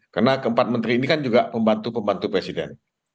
karena keempat menteri ini kan juga pembantu pembantu presiden